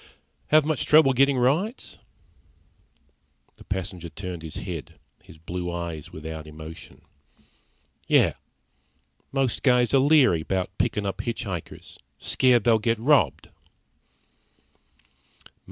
"Have much trouble getting rides?" The passenger turned his head, his blue eyes without emotion. "Yeah. Most guys are leery about pickin' up hitch hikers. Scared they'll get robbed."